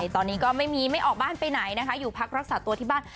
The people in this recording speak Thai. ตอนนี้ก็ไม่มีไม่ออกบ้านไปไหนนะคะอยู่พักรักษาตัวที่บ้าน